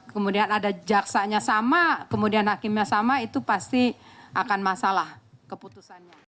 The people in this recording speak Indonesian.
kemudian ada jaksanya sama kemudian hakimnya sama itu pasti akan masalah keputusannya